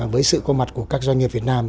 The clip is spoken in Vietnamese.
với sự có mặt của các doanh nghiệp việt nam